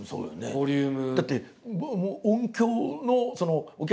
ボリューム。